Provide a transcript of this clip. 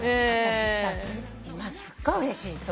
私さ今すっごいうれしい。